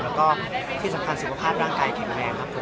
แล้วก็ที่สำคัญสุขภาพร่างกายแข็งแรงครับผม